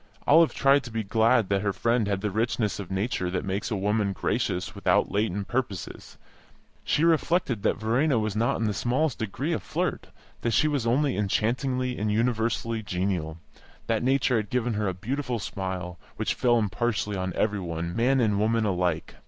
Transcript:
Olive tried to be glad that her friend had the richness of nature that makes a woman gracious without latent purposes; she reflected that Verena was not in the smallest degree a flirt, that she was only enchantingly and universally genial, that nature had given her a beautiful smile, which fell impartially on every one, man and woman, alike.